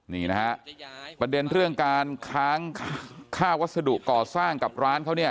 นี่นะฮะประเด็นเรื่องการค้างค่าวัสดุก่อสร้างกับร้านเขาเนี่ย